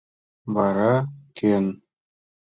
— Вара кӧн?